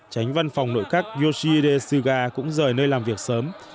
tránh văn phòng nội các yoshide suga cũng rời nơi làm việc sớm